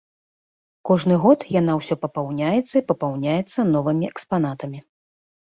Кожны год яна ўсё папаўняецца і папаўняецца новымі экспанатамі.